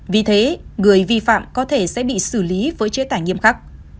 vì thế người vi phạm có thể sẽ bị xử lý với chế tải nghiêm khắc